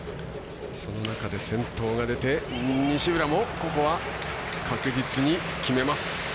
その中で先頭が出て西浦もここは確実に決めます。